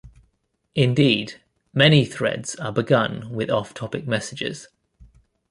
Indeed, many threads are begun with off-topic messages.